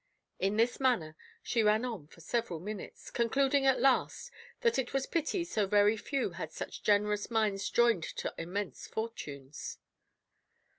In this manner she ran on for several minutes, concluding at last, that it was pity so very few had such generous minds joined to immense fortunes.